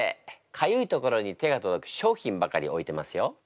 かゆいところに手が届く商品ばかりを置いてますよ。